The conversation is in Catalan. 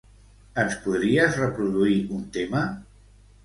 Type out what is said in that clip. Ens podries reproduir un tema?